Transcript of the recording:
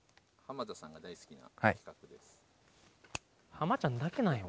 ハマちゃんだけなんよ